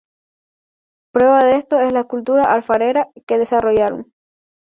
Prueba de esto es la cultura alfarera que desarrollaron.